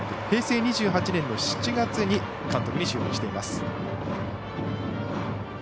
平成２５年の７月に監督に就任しています。